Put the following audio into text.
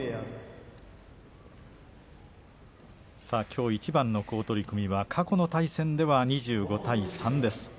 さあ、きょういちばんの好取組は過去の対戦では２５対３です。